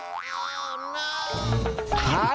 โอ้น้าว